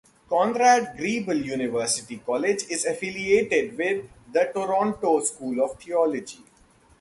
Conrad Grebel University College is affiliated with the Toronto School of Theology.